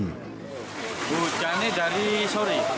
hujannya dari sore